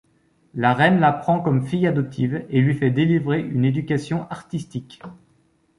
La reine la prend comme fille adoptive et lui fait délivrer une éducation artistique.